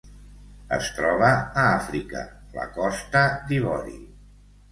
Es troba a Àfrica: la Costa d'Ivori.